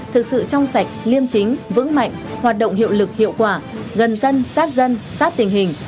thực sự trong sạch liêm chính vững mạnh hoạt động hiệu lực hiệu quả gần dân sát dân sát tình hình